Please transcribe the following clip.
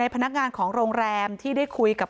พนักงานของโรงแรมที่ได้คุยกับ